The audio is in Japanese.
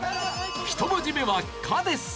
１文字目は「か」です。